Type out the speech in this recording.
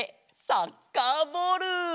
サッカーボール！